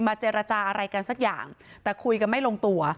เจรจาอะไรกันสักอย่างแต่คุยกันไม่ลงตัว